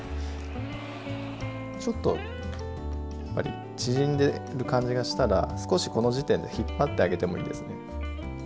ちょっとやっぱり縮んでる感じがしたら少しこの時点で引っ張ってあげてもいいですね。